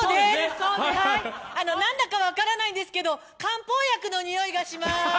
何だか分からないんですけど漢方薬の匂いがします。